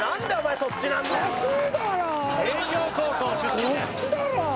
こっちだろ！